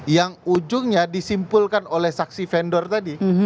yang ujungnya disimpulkan oleh saksi vendor tadi